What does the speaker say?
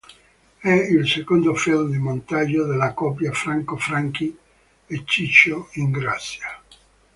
È il secondo film di montaggio della coppia Franco Franchi e Ciccio Ingrassia.